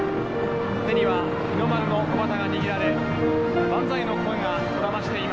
手には日の丸の小旗が握られ万歳の声がこだましています。